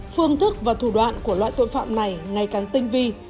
phương thức và thủ đoạn của loại tội phạm này ngày càng tinh vi